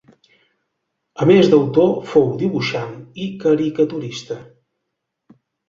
A més d'escultor fou dibuixant i caricaturista.